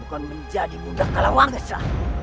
bukan menjadi budak kalawangsa